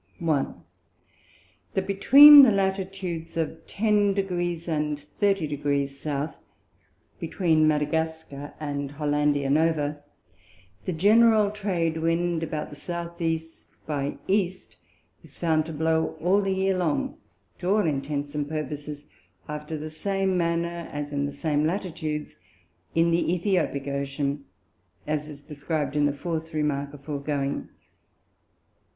1. That between the Latitudes of ten Degrees and thirty Degrees South, between Madagascar and Hollandia Nova, the general Trade Wind about the S. E. by E. is found to blow all the Year long, to all Intents and Purposes after the same manner as in the same Latitudes in the Æthiopick Ocean, as it is describ'd in the fourth Remark aforegoing.